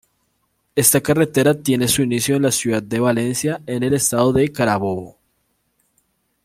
Esta carretera tiene su inicio en la ciudad de Valencia en el Estado Carabobo.